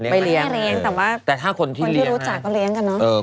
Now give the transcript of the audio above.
ไม่เลี้ยงแต่ว่าแต่ถ้าคนที่รู้จักก็เลี้ยงกันเนอะ